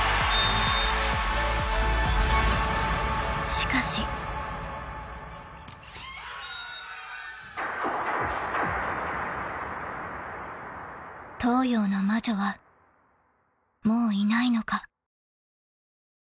［しかし］［東洋の魔女はもういないのか］